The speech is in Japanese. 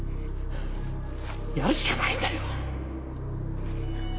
やるしかないんだよ！